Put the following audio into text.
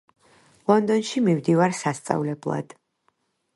ლონდონში მივდივარ სასწავლებლად